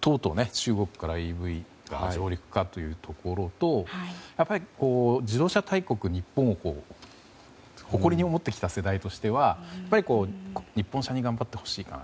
とうとう中国からＥＶが上陸かというところとやっぱり自動車大国・日本を誇りに思ってきた世代としてはやっぱり日本車に頑張ってほしいかなと。